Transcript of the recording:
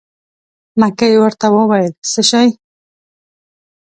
مکۍ ورته وویل: څه شی.